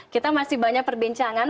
kita masih banyak perbincangan